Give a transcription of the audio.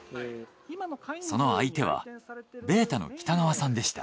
その相手はベータの北川さんでした。